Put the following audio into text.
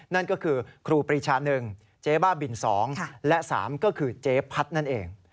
นั่นก็คือครูปรีชา๑เจ๊บ้าบิน๒และ๓ก็คือเจ๊พัดนั่นเอง